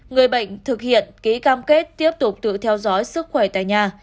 người bệnh thực hiện ký cam kết tiếp tục tự theo dõi sức khỏe tại nhà